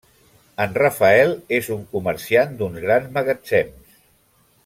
En Rafael és un comerciant d'uns grans magatzems.